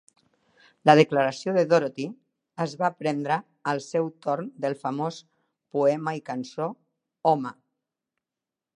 La declaració de Dorothy es va prendre al seu torn del famós poema i cançó "Home!".